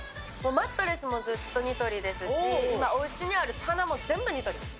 マットレスもずっとニトリですし、おうちにある棚も全部ニトリです。